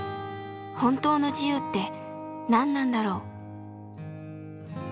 本当の「自由」って何なんだろう？